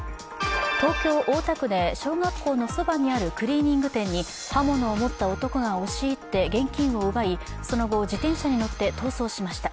東京・大田区で小学校のそばにあるクリーニング店に刃物を持った男が押し入って現金を奪い、その後、自転車に乗って逃走しました。